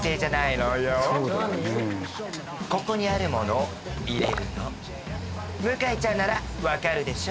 ここにあるものを入れるの向井ちゃんならわかるでしょ